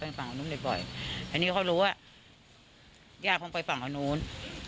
ไปฝั่งข้างนู้นเดี๋ยวบ่อยอันนี้เขารู้ว่าย่าคงไปฝั่งข้างนู้น